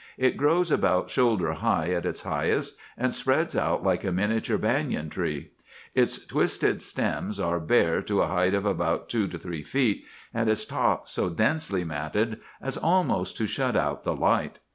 It grows about shoulder high at its highest, and spreads out like a miniature banyan tree. Its twisted stems are bare to a height of from two to three feet, and its top so densely matted as almost to shut out the light.